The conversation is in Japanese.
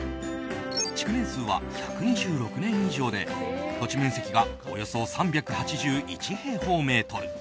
築年数は１２６年以上で土地面積がおよそ３８１平方メートル。